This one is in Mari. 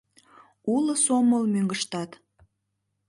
— Уло сомыл мӧҥгыштат.